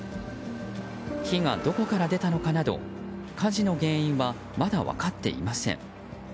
火がどこから出たのかなど火事の原因はまだ分かっていません。